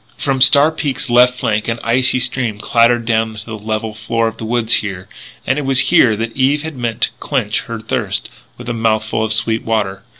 From Star Peak's left flank an icy stream clatters down to the level floor of the woods, here; and it was here that Eve had meant to quench her thirst with a mouthful of sweet water.